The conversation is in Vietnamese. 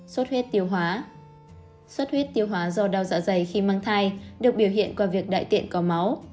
suất huyết tiêu hóa do đau dạ dày khi mang thai được biểu hiện qua việc đại tiện có máu